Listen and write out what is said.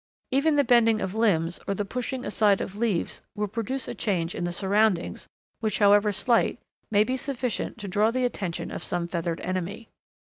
Even the bending of limbs, or the pushing aside of leaves, will produce a change in the surroundings, which, however slight, may be sufficient to draw the attention of some feathered enemy.